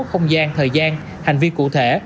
không gian thời gian hành vi cụ thể